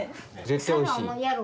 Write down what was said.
絶対おいしい。